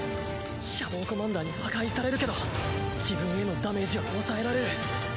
シャドウコマンダーに破壊されるけど自分へのダメージは抑えられる。